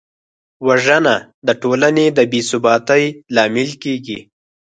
وژنه د ټولنې د بېثباتۍ لامل کېږي